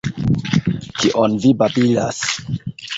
Kion vi babilas!